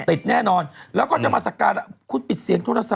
ติดแน่นอนแล้วก็จะมาสักการะคุณปิดเสียงโทรศัพ